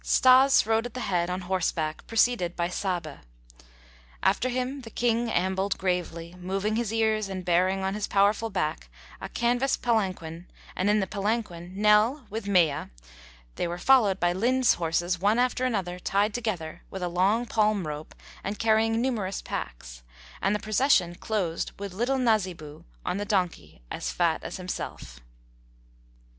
Stas rode at the head, on horseback, preceded by Saba. After him the King ambled gravely, moving his ears and bearing on his powerful back a canvas palanquin and in the palanquin Nell with Mea; they were followed by Linde's horses one after another, tied together with a long palm rope and carrying numerous packs; and the procession closed with little Nasibu on the donkey, as fat as himself.